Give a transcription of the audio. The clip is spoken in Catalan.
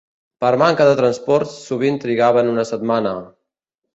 Per manca de transports, sovint trigaven una setmana